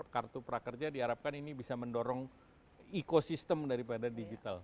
kartu prakerja diharapkan ini bisa mendorong ekosistem daripada digital